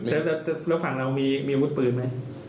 แถวฝั่งเรามีมุตปืนไหม